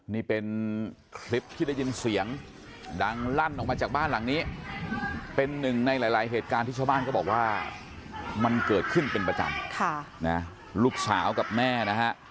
นี่เป็นคลิปที่ได้ยินเสียงดังลั่นออกมาจากบ้านหลังนี้เป็นหนึ่งในหลายเหตุการณ์ที่ชาวบ้านก็บอกว่ามันเกิดขึ้นเป็นประจำลูกสาวกับแม่นะฮะ